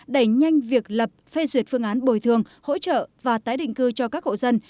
đẩy nhanh việc lập phê duyệt phương án bồi thường hỗ trợ và tái định cư cho các hộ dân